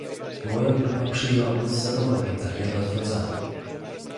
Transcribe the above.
Moja grupa przyjęłaby z zadowoleniem takie rozwiązanie